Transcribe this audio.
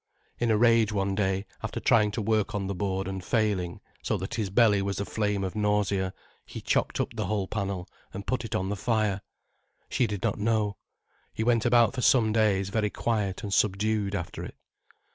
In a rage one day, after trying to work on the board, and failing, so that his belly was a flame of nausea, he chopped up the whole panel and put it on the fire. She did not know. He went about for some days very quiet and subdued after it.